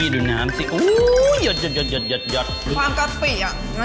ได้ค่ะแม่